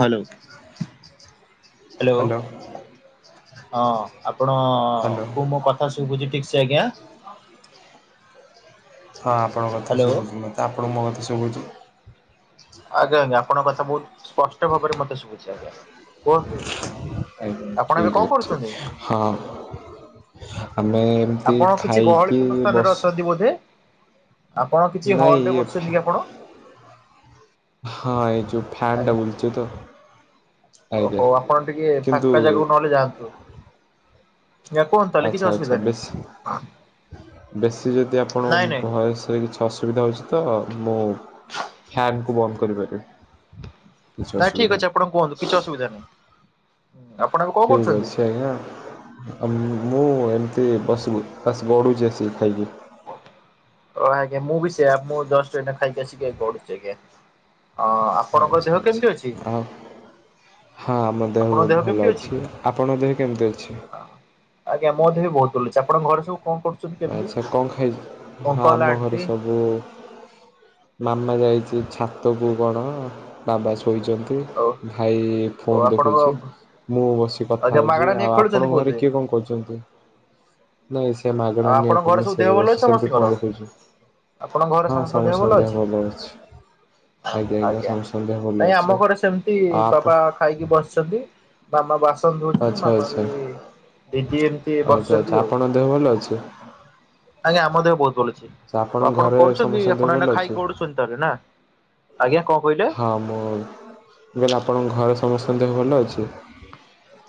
Hello. Hello hello. ହଁ ଆପଣଙ୍କୁ ମୋ କଥା ଶୁୁଭୁଛି ଠିକ୍ସେ ଆଜ୍ଞା? ହଁ ଆପଣଙ୍କ କଥା ହ୍ୟାଲୋ। ଶୁଭୁଛି ମୋତେ। ଆପଣଙ୍କୁ ମୋ କଥା ଶୁଭୁଛି? ଆଜ୍ଞା-ଆଜ୍ଞା ଆପଣଙ୍କ କଥା ବହୁତ୍ ସ୍ପଷ୍ଟ ଭାବରେ ମତେ ଶୁଭୁଛି ଅଜ୍ଞା। କୁହନ୍ତୁ ଆଜ୍ଞା ଆପଣ ଏବେ ଠିକ୍ କଣ ଅଛି କରୁଛନ୍ତି? ହଁ ଆମେ ଏମିତି ଆପଣ କିଛି ଗହଳି ଖାଇକି ପୂର୍ଣ୍ଣ ସ୍ଥାନରେ ବସ ଅଛନ୍ତି ବୋଧେ? ଆପଣ କିଛି ନାଇଁ ହଲ୍ ରେ ବସିଛନ୍ତି କି ଆପଣ? ହଁ ଏ ଯୋଉ ଫ୍ୟାନ ଟା ଆଜ୍ଞା ବୁଲଚି ତ। ଆଜ୍ଞା ଓହୋ ଆପଣ ଟିକେ ଫାଙ୍କା ଜାଗାକୁ ନହେଲେ ଯାଆନ୍ତୁ। ଆଜ୍ଞା କୁହନ୍ତୁ ତାହେଲେ କିଛି ଆଚ୍ଛା-ଆଚ୍ଛା ଅସୁବିଧା ନାହିଁ ବେସି ବେଶୀ ଯଦି ନାଇଁ ନାଇଁ ଆପଣଙ୍କ ଭୟସରେ କିଛି ଅସୁବିଧା ହେଉଛି ତ ମୁଁ ଫ୍ୟନ୍ ବନ୍ଦ କରିପାରିବି। କିଛି ନାଇଁ ଠିକ୍ ଅସୁବିଧା ଅଛି ନାହିଁ। ଆପଣ କୁହନ୍ତୁ କିଛି ଅସୁବିଧା ନାହିଁଁ। ଆପଣ ଏବେ କଣ କରୁଛନ୍ତି? [unintelligible] ମୁଁ ଏମିତି [unintelligible] ବାସ୍ ଗଡୁଛି ଆସିିକି ଖାଇକି। ଓ ଅଜ୍ଞା ମୁଁ ବି ସେୟା ମୁଁ ଜୁଷ୍ଟ ଏଇନା ଖାଇକି ଆଶିକି ଗଡ଼ୁଚି ଅଜ୍ଞା। ଅ ଆପଣଙ୍କ ଆଚ୍ଛା ଦେହ ଆଚ୍ଛା କେମିତି ଅଛି? ଆଉ ହଁ ଆମ ଦେହ ବହୁତ୍ ଭଲ ଅଛି। ଆପଣଙ୍କ ଦେହ କେମତି ଅଛି? ଆଜ୍ଞାଁ ମୋ ଦେହ ବି ବହୁତ ଭଲ ଅଛି। ଆପଣଙ୍କ ଘରେ ସବୁ କଣ କରୁଛନ୍ତି କେମିତି? ଆଚ୍ଛା କଣ ଖାଇ ହଁ ଅଙ୍କଲ ଆମ ଘରେ ଆଣ୍ଟି ସବୁ ମାମା ଯାଇଛି ଛାତକୁୁ କଣ ବାବା ଶୋଇଛନ୍ତି। ଓ ଭାଈ ଓ ଫୋନ୍ ଆପଣଙ୍କ ଦେଖୁଚି। ମୁଁ ବସି କଥା ଆଜ୍ଞା ହଉଛି ମାଗଣା ନେଇ ଆଉ ଖେଳୁଛନ୍ତି ଆପଣଙ୍କ ଘରେ ବୋଧେ? କିଏ କଣ କରୁଚନ୍ତି ନାଇଁ ସେ ମାଗଣା ଆଉ ନିଆ ଆପଣଙ୍କ କଲେ ଘରେ ସବୁ ସେ ଦେହ ଭଲ ବସି ଅଛି ସେମିତି ଫୋନ ସମସ୍ତିଙ୍କର? ଦେଖୁଛି। ଆପଣଙ୍କ ଘରେ ସମସ୍ତଙ୍କ ଦେହ ଭଲ ଅଛି? ଆଜ୍ଞା ସମସ୍ତଙ୍କ ଦେହ ଭଲ ନାଇଁ ଅଛି ଆମ ଘରେ ସେମତି ଆଉ ଆପ ବାବା ଖାଇକି ବସିଛନ୍ତି ବାମା ବାସ ବାସନ ଧୋଉଛନ୍ତି ଆଚ୍ଛା ମାମା ଆଚ୍ଛା। ବି ଦିଦି ଏମିତି ଆଚ୍ଛା ଆଚ୍ଛା ବସିଛନ୍ତି ଆଉ। ଆପଣଙ୍କ ଦେହ ଭଲ ଅଛି? ଆଜ୍ଞା। ଆମ ଦେହ ବହୁତ ଭଲ ଅଛି। ଆଚ୍ଛା ଆପଣଙ୍କ ଆପଣ ଘରେ କରୁଛନ୍ତି ସମସ୍ତଙ୍କ ଦେହ ଆପଣ ଭଲ ଏ ଅଛି? ଖାଇକି ଗଡୁଛନ୍ତି। ନା ଆଜ୍ଞା--କଣ କହିଲେ? ହଁ ମୁଁ କହିଲି ଆପଣଙ୍କ ଘରେ ସମସ୍ତଙ୍କ ଦେହ ଭଲ ଅଛି?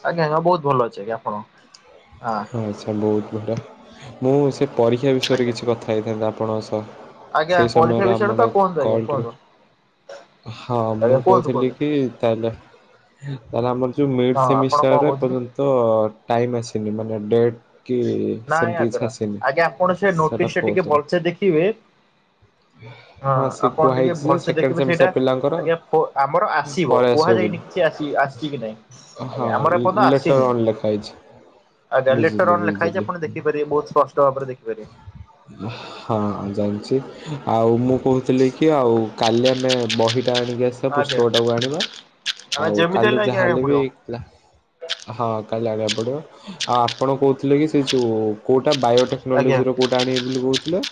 ଆଜ୍ଞା। ଆଜ୍ଞା ବହୁତ ଭଲ ଅଛି। ଆଜ୍ଞା ଆପଣ ହଁ ଆଚ୍ଛା ବହୁତ ବଢ଼ିଆ। ମୁଁ ସେ ପରୀକ୍ଷା ବିଷୟରେ ଆଜ୍ଞା। କିଛି କଥା ହେଇଥାନ୍ତି ଆପଣଙ୍କ ସହ। ଆଜ୍ଞା ସେହି ପରୀକ୍ଷା ସମୟରେ ବିଷୟରେ ତ ଆମର କୁହନ୍ତୁ ଆଜ୍ଞା କଲ କୁହନ୍ତୁ ଟିକେ ହଁ ମୁଁ ଆଜ୍ଞା କୁହନ୍ତୁ କୁହନ୍ତୁ କହୁଥିଲି କି। ତାହେଲେ ତାହାଲେ ଆମର ଯୋଉ ମିଡ ହଁ ଆପଣ ସେମିଷ୍ଟାର କଣ ର ଏ କହୁଥିଲେ? ପର୍ଯ୍ୟନ୍ତ ଟାଇମ ଆସିନି। ମାନେ ଡେଟ୍ କି ନାଇଁ ସେମିତି କିଛି ଆଜ୍ଞା। ଆସିନି। ଆଜ୍ଞା ଆପଣ ସେ ସେଟା ନୋଟିସ ଫୋର୍ସ ଟିକେ ଭଲସେ ଦେଖିବେ। ହଁ ସେ ଆପଣ ଟିକେ କୁହାହେଇଛି ଯେ ଭଲସେ ସେକେଣ୍ଡ ଦେଖିବେ। ସେଇଟା ସେମିଷ୍ଟାର ପିଲାଙ୍କର ଆଜ୍ଞା ଆମର ଆସିବ। ପଳେଇ ଆସିବେ ବୋଲି। କୁହାଯାଇନି କିଛି ଆସି ଆସିଛି କି ନାଇଁ। ହଁ ଆଜ୍ଞା ଆମର ଏପର୍ଯ୍ୟ ଲେଟର ଆସିନି। ଅନ୍ ଲେଖା ହେଇଛି ଆଜ୍ଞା। ବୁଝିଲି ଲେଟର ଅନ୍ ଲେଖାହେଇଛି। ବୁଝିଲି। ଆପଣ ଦେଖିପାରିବେ ବହୁତ ସ୍ପଷ୍ଟ ଭାବରେ ଦେଖିପାରିବେ। [inaudible] ହଁ ଜାଣିଛି। ଆଉ ମୁଁ କହୁଥିଲି କି? ଆଉ କାଲି ଆମେ ବହିଟା ଆଣିକି ଆସି ସେ ଆଜ୍ଞା ପୁସ୍ତକଟାକୁ ଆଣିବା। ଆମେ ଆଉ ଯେମିତି କାଲି ହେଲେ ଆଜ୍ଞା ଯାହାହେଲେ ଆଣିବାକୁ ବି ପଡିବ ହେଲା। ହଁ କାଲି ଆଣିବାକୁ ପଡିବ। ଆଉ ଆପଣ କହୁଥିଲେ। କି ସେ ଯୋଉ କୋଉଟା ଆଜ୍ଞା ବାୟୋଟେକ୍ନୋଲୋଜିର କୋଉଟା ଆଣିବେ ବୋଲି କହୁଥିଲେ?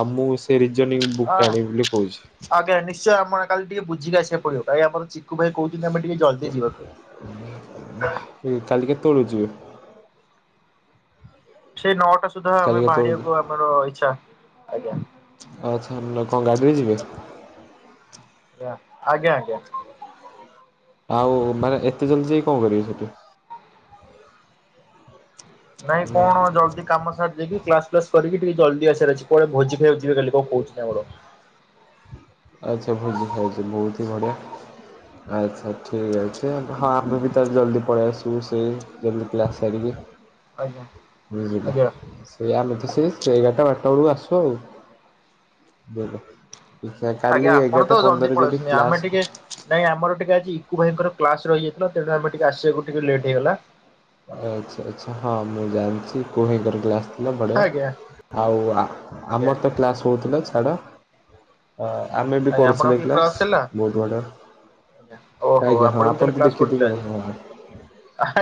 ଆଉ ମୁଁ ସେ ରିଜର୍ନିଂ ବୁକ୍ଟା ଆଁ ଆଣିବି ବୋଲି କହୁଛି। ଆଜ୍ଞା। ନିଶ୍ଚୟ ଆମେ କାଲି ଟିକେ ବୁଝିକି ଆସିବାକୁ ପଡିବ। ଭାଇ ଆମ ଚିକୁ ଭାଇ କହୁଛନ୍ତି ଆମେ ଟିକେ ଜଲଦି ଯିବାକୁ। କାଲି କେତେବେଳକୁ ଯିବେ? ସେଇ ନଅଟା ସୁଦ୍ଧା କାଲି ଆମେ କେତେବେଳକୁ ଯିବେ? ବାହାରିବାକୁ ଆମର ଇଛା। ଆଜ୍ଞା। ଆଛା। ଆ କଣ ଗାଡିରେ ଯିବେ? ଆଜ୍ଞା। ଆଜ୍ଞା। ଆଉ ମାନେ ଏତେ ଜଲ୍ଦି ଯାଇ କଣ କରିବେ ସେଠି? ନାଇଁ ନା କଣ ଜଲଦି କାମ ସାରି ଯାଇକି କ୍ଲାସ୍ କ୍ଲାସ୍ କରିକି ଜଲଦି ଆସିବାର ଅଛି। କୁଆଡେ ଭୋଜି ଖାଇବାକୁ ଜିବେ କହୁଛନ୍ତି ଆମର। ଆଚ୍ଛା। ଭୋଜି ଖାଇଯିବେ ବହୁତ ହିଁ ବଢ଼ିଆ। ଆଚ୍ଛା। ଠିକ୍ ଅଛି। ହଁ ଆମେ ବି ତାଲେ ଜଲ୍ଦି ପଳାଇ ଆସିବୁ ସେଇ ଜଲ୍ଦି କ୍ଲାସ୍ ସାରିକି। ଆଜ୍ଞା ବୁଝିଲ ଆଜ୍ଞା ସେଇ ଆମେ ତ ସେ ଏଗାରଟା, ବରଟା ବେଳକୁ ଆସୁ ଆଉ। [unintelligible] ଆଚ୍ଛା କାଲି ଆଜ୍ଞା। ଆପଣ ଏଗାରଟା ତ ଜଲଦି ପନ୍ଦରରେ ଯଦି ପଳେଇଆସୁଛନ୍ତି। ଆମେ କ୍ଲାସ୍ ଟିକେ ନାଇଁ ଆମର ଟିକେ ଆଜି ଇକୁୁ ଭାଇଙ୍କର କ୍ଲାସ ରହିଯାଇଥିଲା। ତେଣୁ ଆମେ ଟିକେ ଆସିବାକୁ ଟିକେ ଲେଟ୍ ହେଇଗଲା। ଆଚ୍ଛା। ଆଚ୍ଛା। ହଁ ମୁଁ ଜାଣିଛି ଇକୁ ଭାଇଙ୍କର କ୍ଲାସ ଥିଲା। ବଢ଼ିଆ। ଆଜ୍ଞା ଆଉ ଆ ଆଜ୍ଞା ଆମର ତ କ୍ଲାସ୍ ହଉଥିଲା। ଛାଡ଼ ଆମେ ବି ଆଜ୍ଞା କରୁଥିଲେ ଆପଣଙ୍କ କ୍ଲାସ। ହେଲା ବହୁତ ବଡ଼ ଆଜ୍ଞା ଓହୋ ଆଜ୍ଞା ଆପଣ ହଁ ବି ତାହେଲେ ଆପଣଙ୍କୁ କ୍ଲାସ କରୁଥିଲେ ଦେଖିଥିବେ। ଆଜି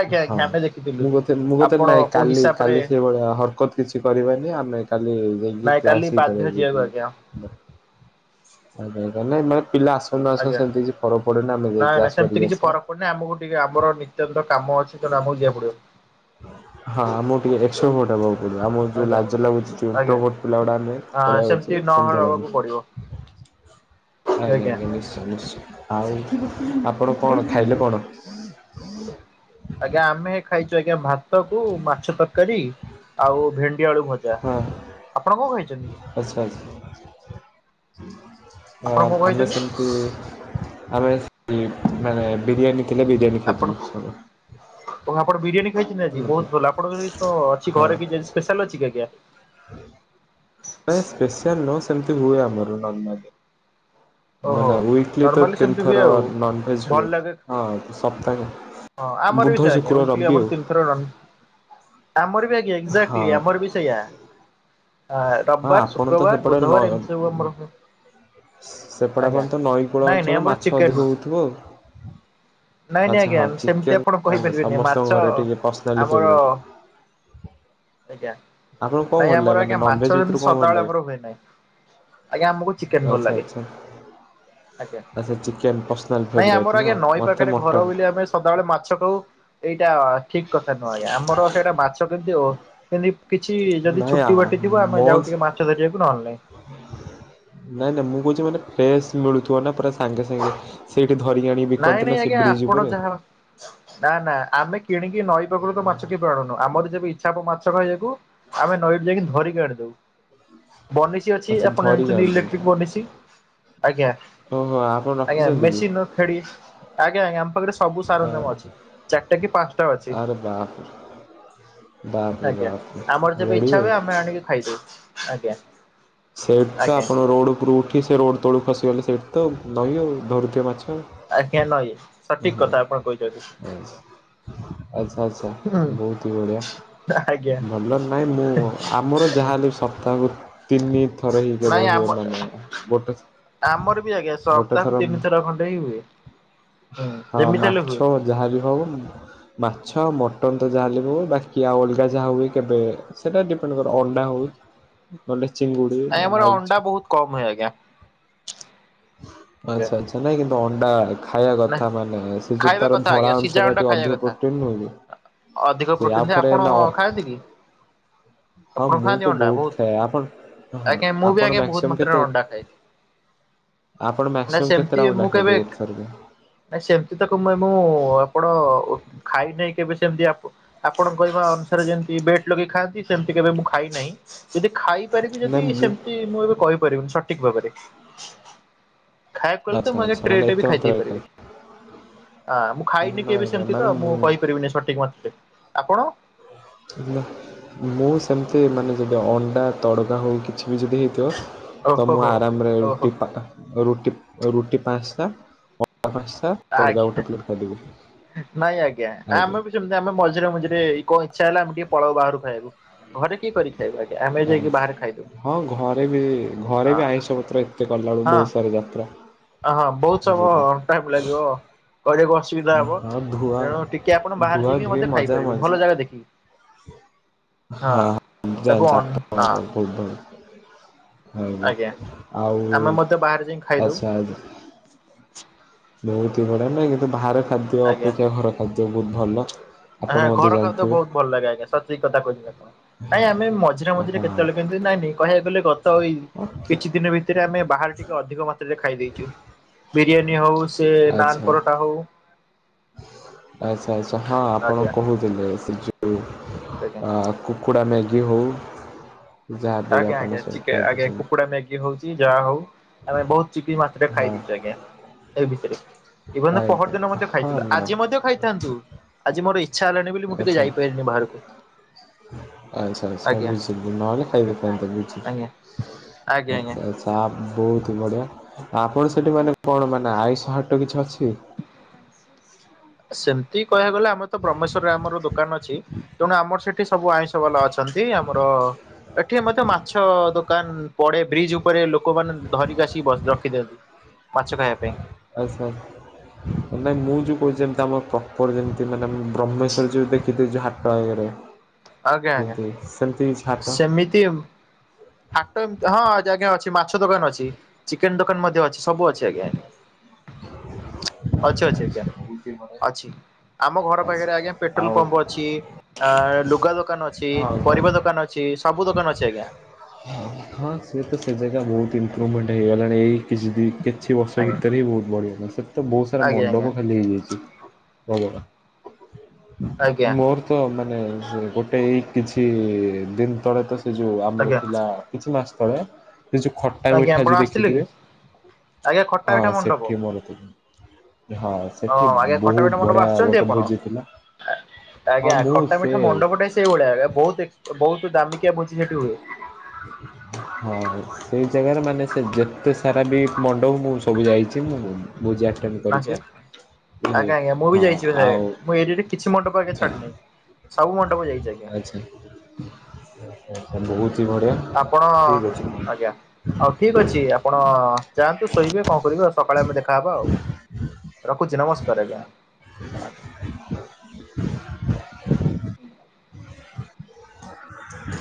ଆଜ୍ଞା ଆଜ୍ଞା ଆମେ ଦେଖିଥିଲୁ। ମୁଁ କହୁଥିଲି ମୁଁ କହୁଥିଲି ଆପଣ ନାହିଁ କୋଉ କାଲି ହିସାବରେ କଲି ସେଇଭଳିଆ ହରକତ କିଛି କରିବାନି। ଆମେ କାଲି ଯାଇକି ନାଇଁ କାଲି କ୍ଲାସ୍ ହିଁ ବାଧ୍ୟ ଯିବାକୁ କରିବାକୁ ଆଜ୍ଞା ଯାଇକି [unintelligible] ମାନେ ପିଲା ଆସ ନା ସେ ଆଜ୍ଞା। ସେମିତି କିଛି ଫରକ ପଡେନା। ଆମେ ଯାଇକି କ୍ଲାସ୍ କରିକି ଆସିବା। ନ ଆମକୁ ଟିକେ ଆମର ନିତ୍ୟନ୍ତ କାମ ଅଛି। ତେଣୁ ଆମକୁ ଯିବାକୁ ପଡିବ। ହଁ ଆମକୁ ଟିକେ [unintelligible] ଆମକୁ ଯୋଉ ଆଜ୍ଞା ଲାଜ ଲାଗୁଛି। ଯୋ ଆଜ୍ଞା ଇଣ୍ଟ୍ରୋଭର୍ଟ ପିଲା ଗୁଡା ଆମେ ପଳେଇଆଉଛେ। ସେମି ହବାକୁ ପଡିବ। ଆଜ୍ଞା। ଆଜ୍ଞା। ନିଶ୍ଚୟ, ନିଶ୍ଚୟ ଆଉ ଆପଣ କଣ ଖାଇଲେ କଣ? ଆଜ୍ଞା ଆମେ ଖାଇଛୁ ଆଜ୍ଞା ଭାତ କୁ ମାଛ ତରକାରୀ ଆଉ ଭେ ଣ୍ଡି ଆଳୁ ଭଜା। ହଁ ଆପଣ କଣ ଖାଇଛନ୍ତି? ଆଚ୍ଛା। ଆଚ୍ଛା। ଆପଣ କଣ ଆମେ ଖାଇଛନ୍ତି? ସେମିତି ଆମେ ସେମତି ମାନେ ବିରିୟାନୀ ଥିଲା। ବିରିୟାନୀ ଖାଇଥିଲୁ [unintelligible] ଆଜି ଆପଣ ବିରିୟାନୀ ଖାଇଛନ୍ତି ଆଜି। ସବୁ। ବହୁତ ଭଲ। ଆପଣଙ୍କ ଅଛି ହଁ ଘରେ କିଛି ସ୍ପେଶାଲ୍ ଅଛି କି ଆଜ୍ଞା? [inaudible] ନା ସ୍ପେଶସିଆଲ ନୁହେଁ ସେମିତି ହୁଏ ଆମର ନର୍ମାଲି। ଓହୋ ମାନ ୱିକଲି ତ ନର୍ମାଲି ସେମିତି ହୁଏ ତିନିଥର ଆଉ। ନନଭେଜ ଭଲ ଲାଗେ ହୁଏ ସପ୍ତାହ ହଁ ଆମର ବି ସେୟା ୱିଇକ୍ଲି ଆମର ତିନିଥ ଆମର ବି ଆଜ୍ଞା ହଁ ଏକ୍ଜାକ୍ଟଲି ଆମର ବି ସେଇଆ। ଆ ହଁ ରବିବାର, ଆପଣ ତ ଶୁକ୍ରବାର, ସେପଟେ ବୁଧବାର ଏମିତି ସବୁ ଆମର ହୁଏ। ସେପଟ ଆଜ୍ଞା। ଆପଣ ତ ନଈକୂଳ ନାଇଁ ନାଇଁ ଅଞ୍ଚଳ ଆମର ମାଛ ଚିକେନ ଅଧିକ ହେଉଥିବ ଆଉ। ନାଇଁ ନାଇଁ ଆଛା ଆଜ୍ଞା ହଁ ସେମିତି ଚିକେନ ଆପଣ ମାନେ କହିପାରିବେନି ମାଛ ସମସ୍ତଙ୍କର ଟିକେ ପର୍ଶନାଲି ଆମର ଫେବ୍ରେଟ। [inaudible] ଆଜ୍ଞା ନାଇଁ ଲାଗେ ଆମର ମାନେ ଆଜ୍ଞା ନନଭେଜ ମାଛ ଭିତରୁ [unintelligible] କଣ ଭଲ ସଦାବେଳେ ଲାଗେ? ଆମର ହୁଏ ନାହିଁ। ଆଜ୍ଞା ଆମକୁ ଚିକେନ ଭଲ ଆଚ୍ଛା ଲାଗେ। ଆଚ୍ଛା ଆଜ୍ଞା ଆଚ୍ଛା ଚିକେନ ପର୍ସନାଲ ନାଇଁ ଫେବରାଇଟ୍ ଆମର ନୁହଁ ଆଜ୍ଞା ନଈ ମତେ ପାଖରେ ଘର ମଟନ। ବୋଲି ଆମେ ସଦାବେଳେ ମାଛ ଖାଉ ଏଇଟା ଠିକ କଥା ନୁହଁ ଆଜ୍ଞା ଆମର ସେଇଟା ମାଛ କେମିତି ଓ ଏମିତି କିଛି ଯଦି ନାଇଁ ଆ ଛୁଟି ବାଟି ଥିବ ଆମେ ଯାଉ ମୋ ଟିକେ ମାଛ ଧରିବାକୁ ନହେଲେ ନାହିଁ। ନାଇଁ ନାଇଁ ମୁଁ କହୁଛି ମାନେ ଫ୍ରେଶ ମିଳୁଥିବ ନା ପୁରା ସାଙ୍ଗେ ସାଙ୍ଗେ। ସେଇଠି ଧରିକି ଆଣିକି ନାଇଁ ବିକନ୍ତି ନାଇଁ ନା ସେ ଆଜ୍ଞା ବ୍ରିଜ୍ ଆପଣ ଉପରେ। ଯାହା ନା ନା ଆମେ କିଣିକି ନଈ ପାଖରୁ ତ ମାଛ କେବେ ଆଣୁନୁ ଆମର ଯେବେ ଇଚ୍ଛା ହବ ମାଛ ଖାଇବାକୁ ଆମେ ନଈରୁ ଯାଇକି ଧରିକି ଆଣିଦଉ ବନିସ୍ ଅଛି ଆଚ୍ଛା ଆପଣ ଧରିକି ଜାଣିଛନ୍ତି ଆଣୁଛନ୍ତି ତ। ଇଲେଟ୍ରିକ ବନିଶି ଆଜ୍ଞା ଓହୋ ଆପଣ ଆଜ୍ଞା ରଖିଛନ୍ତି କି? ମେସିନ ର ଖେଡି ଆଜ୍ଞା ଆଜ୍ଞା ଆମ ପାଖରେ ସବୁ ସାରଞ୍ଜାମ ଆରେ ଅଛି ଚାରିଟା କି ପାଞ୍ଚଟା ଅଛି। ଆରେ ବାପରେ। ବାପରେ ଆଜ୍ଞା ବାପରେ ଆମର ଯେବେ ଗାଡି ଇଚ୍ଛା ଆଉ ହୁଏ ଆମେ ଆଣିକି ଖାଇଦୋଉ ଆଜ୍ଞା। ସେଇଠି ତ ଆଜ୍ଞା ଆପଣ ରୋଡ଼ ଉପରୁ ଉଠି ସେ ରୋଡ଼ ତଳକୁ ଖସିଗଲେ ସେଇଠି ତ ନଈ ଆଉ ଧରୁଥିବ ମାଛ ଆଉ। ଆଜ୍ଞା ନଈ ସଠିକ ଓହୋ କଥା ଆପଣ କହିଚନ୍ତି। ଆଚ୍ଛା ଆଚ୍ଛା ଆଚ୍ଛା ବୋହୁତ ହି ବଢ଼ିଆ। ନା ଆଜ୍ଞା। ଆଜ୍ଞା ଭଲରେ ନାହିଁ ମୁଁ ଆମର ଯାହାହେଲେ ବି ସପ୍ତାହକୁ ତିନି ଥର ହିଁ ନାଇଁ କେବଳ ହୁଏ ଆମ ନ ନାଇ ଗୋଟେ ଥ ଆମର ବି ଆଜ୍ଞା ସପ୍ତାହକୁ ତିନିଥର ଖଣ୍ଡେ ହିଁ ହୁଏ ହୁଁ ହଁ ଯେମିତି ହେଲେ ମାଛ ହୁଏ। ଯାହାବି ହୋଉ ମାଛ ଆଉ ମଟନ୍ ତ ଯାହାବି ହେଲେ ବି ହୁଏ ବାକି ଆଉ ଅଲଗା ଯାହା ହୁଏ କେବେ ସେଟା ଡିପେଣ୍ଡ କରେ ଅଣ୍ଡା ହୋଉ ନହଲେ ଚିଙ୍ଗୁଡି ନହଲେ ଆଉ କିଛି। କଣ ହୁଏ ଆଜ୍ଞା। ଆଚ୍ଛା ଆଚ୍ଛା ନାଇଁ କିନ୍ତୁ ଅଣ୍ଡା ଖାଇବା ନା କଥା ମାନେ ସେ ଯୋଉ ଖାଇବା ତାର କଥା ଆଜ୍ଞା ଧଳା ସିଝା ଅଂଶଟା ଅଣ୍ଡା ଟିକେ ଖାଇବା ଅଧିକ କଥା। ପ୍ରୋଟିନ ନୁହଁ କି। ଅଧିକ ସେ ଆଉ ପ୍ରୋଟିନ ଥାଏ ଫେରେ ଆପଣ ନା ଖାଆନ୍ତି କି? ହଁ ଆପଣ ମୁଁ ଖାଆନ୍ତି ତ ଅଣ୍ଡା ବୋହୁତ ବହୁତ ଖାଏ ଆପଣ ଅହ ଆଜ୍ଞା ମୁଁ ବି ଆପଣ ଆଜ୍ଞା ବହୁତ ମ୍ୟାକ୍ସିମମ୍ ମାତ୍ରାରେ କେତେ ଅଣ୍ଡା ଖାଏ। ଆପଣ ନା ମ୍ୟାକ୍ସିମମ୍ କେତେଟା ଅଣ୍ଡା ଖାଇଦେବେ ଗୋଟେ ଥରକେ? ନାଇଁ ସେମତି ତ କେମେ ମୁଁ ଆପଣ ଖାଇନେହି କେବେ ସେମତି ଆପ ଆପଣ କହିବା ଅନୁସାରେ ଯେମତି ବେଟ ଲଗେଇ ଖାଆନ୍ତି ସେମତି କେବେ ମୁଁ ଖାଇନାହିଁ ଯଦି ଖାଇ ପାରିବି ନାଇଁ ଯଦି ମୁଁ ସେମତି ମୁଁ ଏବେ କହିପାରିବିନି ସଠିକ ଭାବରେ। ଖାଇବାକୁ କହିଲେ ଆଚ୍ଛା ତ ମୁଁ ଏଜ୍ଞା ଆଚ୍ଛା ମାନେ ଟ୍ରେଟେ ଏତେ ବି ଖାଇ ଦେଇ ମାତ୍ରାରେ ଖାଏ। ପାରିବି। ହଁ ମୁଁ ଖାଇନି ନାଇଁ କେବେ ନାଇଁ ସେମତି ମାନେ ତ ମୁଁ କହିପାରିବିନି ସଠିକ୍ ମାତ୍ରାରେ ଆପଣ? [inaudible] ମୁଁ ସେମତି ମାନେ ଯଦି ଅଣ୍ଡା ତଡ଼କା ହୋଉ କିଛି ବି ଯଦି ହେଇଥିବ ତ ଓହୋ ମୁଁ ହୋ ଆରାମରେ ଓହୋ ରୁଟି ପା ରୁଟି ରୁଟି ପାଞ୍ଚଟା [unintelligible] ପାଞ୍ଚଟା ତଡ଼କା ଗୋଟେ ଆଜ୍ଞା ପ୍ଲେଟ୍ ଖାଇଦେବି ନାଇଁ ଆଜ୍ଞା ଆମେ ବି ଯେମତି ଆମେ ମଝିରେ ମଝିରେ ଏଇ କଣ ଇଚ୍ଛା ହେଲା ଆମେ ଟିକେ ପଳୋଉ ବାହାରକୂ ଖାଇବାକୁ ଘରେ କିଏ କରିକି ଆମେ ଆ, ଯାଇକି ବାହାର ଖାଇ ହଁ ଘରେ ବି ଘରେ ବି ଆଇଁଷ ପତ୍ର ଏତେ କରିଲା ବେଳୁକୁ ବୋହୁତ ସାରା ଯାତ୍ରା। ଆହଁ ବୋହୁତ ବୁଝିଲେ। ସମୟ ଟାଇମ ଲାଗିବ। କରିବାକୁ ଅସୁବିଧା ହବ ହଁ ଧୁଆ ତେଣୁ ଟିକେ ଆପଣ ଧୁଆ ବାହାରେ ଯାଇକି ଧୁଇ ମଧ୍ୟ ମଜା ଖାଇପାରିବେ ମଜି ଭଲ ଜାଗା ଦେଖିକି। ହଁ [unintelligible] ତାକୁ ଜାଣିଚି ଅନ୍ ହଁ ଆପଣଙ୍କ ପରି ବୋହୁତ। [unintelligible] ଆଉ ଆଜ୍ଞା [unintelligible] ଆଉ ଆମେ ମଧ୍ୟ ବାହାରେ ଯାଇ ଖାଇଦଉ। ଆଚ୍ଛା ବୋହୁତୁ ବଡା ନାଇଁ କିନ୍ତୁ ବାହାର ଖାଦ୍ୟ ଅପେକ୍ଷା ଘର ଖାଦ୍ୟ ବୋହୁତ ଭଲ। ଆପଣ ଆହାଁ ମଧ୍ୟ ଘର ଖାଦ୍ୟ ତ ଜାଣିଥିବେ ବୋହୁତ ଭଲ ଲାଗେ ଆଜ୍ଞା ସଠିକ କଥା କହିଚନ୍ତି ଆପଣ ନାଇଁ ଆମେ ମଝିରେ ମଝିରେ ହଁ କେତେବେଳେ କେମତି ନାଇଁ ନାଇଁ କହିବାକୁ ଗଲେ ଗତ ଏଇ ଓକେ କିଛି ଦିନି ଭିତରେ ଆମେ ବାହାରେ ଟିକେ ଅଧିକ ମାତ୍ରାରେ ଖାଇ ଦେଇଚୁ ବିରିୟାନୀ ହୋଉ ସିଏ ନାନ୍ ଆଚ୍ଛା। ପରଟା ହୋଉ ଆଚ୍ଛା ଆଚ୍ଛା ହଁ ଆପଣ ଆଜ୍ଞା କୋହୁଥୁଲେ ସେ ଯୋଉ ଆଜ୍ଞା ଅ କୁକୁଡ଼ା ମ୍ୟାଗି ହୋଉ ଆଜ୍ଞା ଆଜ୍ଞା ଚିକେ ଆଜ୍ଞା କୁକୁଡ଼ା ମ୍ୟାଗି ହୋଉଚି ଯାହା ହୋଉ ଆମେ ବୋହୁତ ଚିକି ମାତ୍ରରେ ହଁ ଖାଇଦେଇଚୁ ଆଜ୍ଞା ଏଇ ଭିତରେ ଇଭେନ୍ ଅ ଆଜ୍ଞା ପହରଦିନ ମଧ୍ୟ ଖା ହଁ ଖାଇଥିଲୁ ନା ଆଜି ମଧ୍ୟ ଖାଇଥାନ୍ତୁ ଆଜି ମୋର ଇଚ୍ଛା ହେଲାନି ବୋଲି ମୁଁ ଟିକେ ଯାଇପାଇଲିନି ବାହାରକୁ। ଆଛା ଆଛା ଆଜ୍ଞା ବୁଝିଲି ନହେଲେ ଖାଇଦେଇ ଆଜ୍ଞା ଥାଆନ୍ତ ବୁଝିଲି ଆଜ୍ଞା ଆଛା ଆଜ୍ଞା ଆଛା। ତାହା ବୋହୁତ ବଢ଼ିଆ ଆ ଆପଣ ସେଇଠି ମାନେ କଣ ମାନେ ଆଇସ୍ ହାଟ କିଛି ଅଛି? ସେମତି କହିବାକୁ ଗଲେ ଆମର ତ ବ୍ରହ୍ମେଶ୍ଵରରେ ଆମର ଦୋକାନ ଅଛି ତେଣୁ ଆମର ସେଠି ସବୁ ଆଇଁଷ ବାଲା ଅଛନ୍ତି ଆମର ଏଠି ମଧ୍ୟ ମାଛ ଦୋ କାନ ପଡେ ବ୍ରିଜ ଉପରେ ଲୋକମାନେ ଧରିକି ଆସିକି ବସ୍ ରଖିଦିଅନ୍ତି ମାଛ ଖାଇବା ପାଇଁ। ଆଚ୍ଛା ନାଇଁ ମୁଁ ଯୋଉ କୋହୁଚି ଯେମତି ଆମର ପ୍ରପର ଯେମତି ମାନେ ବ୍ରହ୍ମେଶ୍ୱର ଯୋଉ ଦେଖିଥିବେ ଯୋଉ ହାଟ ଆଗରେ ଆଜ୍ଞା ଆଜ୍ଞା ଯେମତି ସେମତି କିଛି ହାଟ ସେମିତି ଏମ୍ ହାଟ ଏମତି ହଁ ଆଜ୍ଞା, ଅଛି ମାଛ ଦୋକାନ ଅଛି। ଚିକେନ ଦୋକାନ ମଧ୍ୟ ଅଛି। ସବୁ ଅଛି ଆଜ୍ଞା ଆଜ୍ଞା। ଅଛି ଅଛି ଆଜ୍ଞା। [unintelligible] ଅଛି। ଆମ ଘର ପାଖରେ ଆଜ୍ଞା ପେଟ୍ରୋଲ ଆଉ ପମ୍ପ ଅଛି। ଆ ଲୁଗା ଦୋକାନ ଅଛି। ହଁ ଘର ପରିବା ଦୋକାନ ଅଛି ସବୁ ଦୋକାନ ଅଛି ଆଜ୍ଞା। ହଁ ହଁ ସିଏ ତ ସେ ଜାଗା ବହୁତ ଇମ୍ପୃଭମେଣ୍ଟ ହେଇଗଲାଣି ଏଇ କି ଦି କିଛି ବର୍ଷ ଆଜ୍ଞା। ଭିତରେ ହିଁ ବହୁତ ବଢିଗଲା। ସେତ ତ ବହୁତ ସାରା ଆଜ୍ଞା ଆଜ୍ଞା ମଣ୍ଡପ ଖାଲି ହେଇଯାଇଛି। ଭଗବାନ ଆଜ୍ଞା ମୋର ତ ତ ମାନେ ସେ ଗୋଟେ ଏଇ କିଛି ଦିନ ତଳେ ତ ସେ ଯେଉ ଆମର ଆଜ୍ଞା ଥିଲା କିଛି ମାସ ତଳେ ଏ ଯେଉଁ ଖ ଟା ଆଜ୍ଞା ମିଠା ଆପଣ ଯୋଉ ଆସିଥିଲେ କି ଦେଖିଥିବେ। ଆଜ୍ଞା ଖଟା ହଁ ପିଠା ମଣ୍ଡପ। ସେଠି ମୋର ହଁ। ହଁ ସେଠି ଆଜ୍ଞା ଖଟା ବହୁତ ମିଠା ମଣ୍ଡପ ବଢିଆ ଆସୁଛନ୍ତି ଗୋଟେ ଆପଣ ଭୋଜି ଥିଲା ହଁ ଆଜ୍ଞା ମୁଁ ଖଟା ସେ ମିଠା ମଣ୍ଡପଟେ ସେଇ ଭଳିଆ ବହୁତ ବହୁତ ଦାମିକିଆ ଭୋଜି ସେଠି ହୁଏ। ହଁ। ସେଇ ଜାଗାରେ ମାନେ ସେ ଯେତେ ସାରା ବି ମଣ୍ଡପ ମୁଁ ସବୁ ଯାଇଛି ମୁଁ ବୁଜା ଆଜ୍ଞା କରିଛି। ବୁଝିଲେ ଆଜ୍ଞା ଆଜ୍ଞା ମୁଁ ହଁ ଯାଇଛି। ଆଉ ମୁଁ ଏରିଆ ରେ କିଛି ମଣ୍ଡପ ହଁ ଛାଡ଼ିନି। ଆଚ୍ଛା, ଆଛା, ବହୁତ ହି ବଢ଼ିଆ। ଆପଣ ଠିକ୍ ଅଛି ଆଜ୍ଞା। ଆଉ ଠିକ ଅଛି ଆପଣ ଯାଆନ୍ତୁ ଶୋଇବେେ କଣ କରିବେ ଆଉ ସକାଳେ ଆମେ ଦେଖାହେବା ଆଉ। ରଖୁଛି ନମସ୍କାର ଆଜ୍ଞା, ଆଜ୍ଞା। [unintelligible] [inaudible]